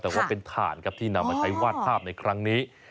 แต่ว่าเป็นถ่านครับที่นำมาใช้วาดภาพในครั้งนี้